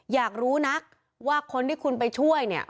อยากรู้นักว่าคนที่คุณไปช่วยเนี่ย